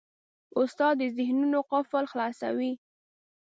استاد د ذهنونو قفل خلاصوي.